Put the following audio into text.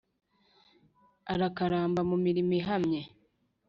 arakaramba mu mirimo ihamye,